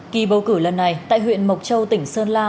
kỳ bầu cử lần này tại huyện mộc châu tỉnh sơn la